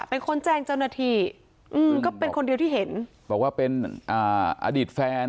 เป็นคนแจ้งเจ้าหน้าที่อืมก็เป็นคนเดียวที่เห็นบอกว่าเป็นอ่าอดีตแฟน